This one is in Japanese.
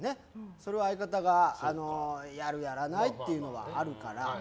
それは相方がやるやらないというのはあるから。